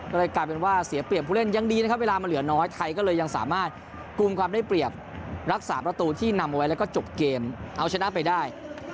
ก็เลยกลายเป็นว่าเสียเปรียบผู้เล่นยังดีนะครับเวลามันเหลือน้อยไทยก็เลยยังสามารถกลุ่มความได้เปรียบรักษาประตูที่นำเอาไว้แล้วก็จบเกมเอาชนะไปได้